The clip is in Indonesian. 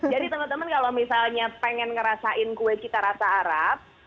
jadi temen temen kalau misalnya pengen ngerasain kue kita rasa arab